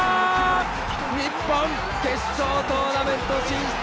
日本、決勝トーナメント進出！